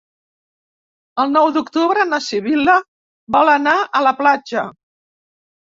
El nou d'octubre na Sibil·la vol anar a la platja.